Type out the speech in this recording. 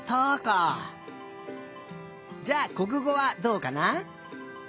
じゃあこくごはどうかな？